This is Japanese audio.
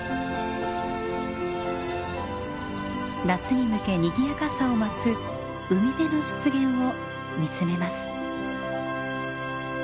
夏に向けにぎやかさを増す海辺の湿原を見つめます。